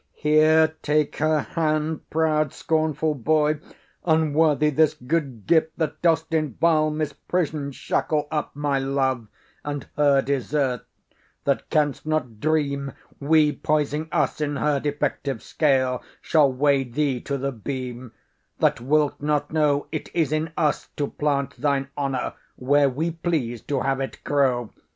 Here, take her hand, Proud scornful boy, unworthy this good gift, That dost in vile misprision shackle up My love and her desert; that canst not dream We, poising us in her defective scale, Shall weigh thee to the beam; that wilt not know It is in us to plant thine honour where We please to have it grow.